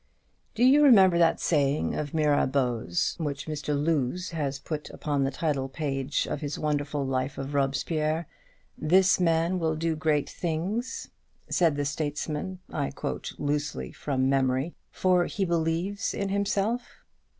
Do you remember that saying of Mirabeau's which Mr. Lewes has put upon the title page of his wonderful Life of Robespierre: "This man will do great things," said the statesman, I quote loosely from memory, "for he believes in himself?"